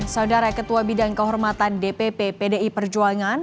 saudara ketua bidang kehormatan dpp pdi perjuangan